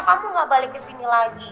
kamu enggak balik dizini lagi